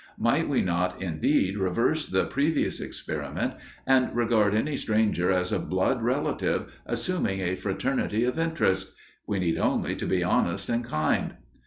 Might we not, indeed, reverse the previous experiment and regard any stranger as a blood relative, assuming a fraternity of interest? We need only to be honest and kind.